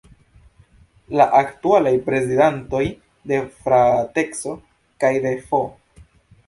La aktualaj prezidantoj de “Frateco” kaj de “F.